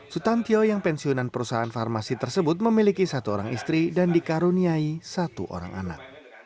sutan tio yang pensiunan perusahaan farmasi tersebut memiliki satu orang istri dan dikaruniai satu orang anak